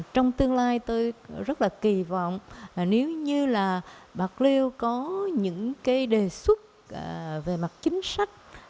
trong tương lai tôi rất là kỳ vọng nếu như là bạc liêu có những cái đề xuất về mặt chính sách